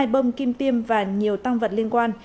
hai bơm kim tiêm và nhiều tăng vật liên quan